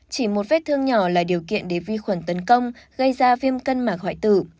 chỉ một vết thương nhỏ là điều kiện để vi khuẩn tấn công gây ra viêm cân mạc hoại tử